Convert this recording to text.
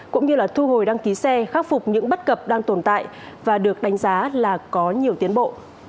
cũng như là thu hồi đăng ký xe khắc phục những bất cập đang tồn tại và được đánh giá là có nhiều tiến bộ